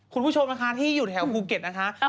คุณผู้ชมนะคะที่อยู่แถวภูเก็ตนะคะ